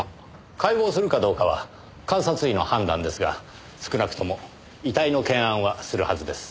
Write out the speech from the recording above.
解剖するかどうかは監察医の判断ですが少なくとも遺体の検案はするはずです。